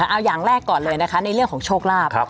เอาอย่างแรกก่อนเลยนะคะในเรื่องของโชคลาภ